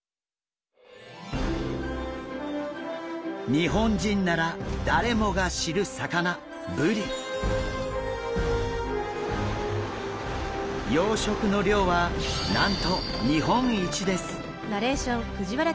日本人なら誰もが知る魚養殖の量はなんと日本一です。